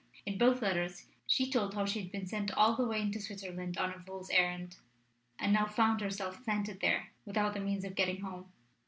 In both letters she told how she had been sent all the way into Switzerland on a fool's errand, and now found herself planted there without the means of getting home.